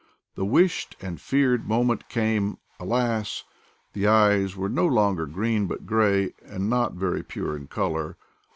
The wished (and feared) moment came : alas ! the eyes were no longer green, but gray, and not very pure in color.